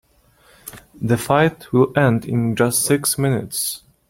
The fight will end in just six minutes.